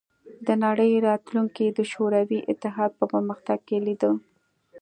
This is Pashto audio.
د نړۍ راتلونکې د شوروي اتحاد په پرمختګ کې لیده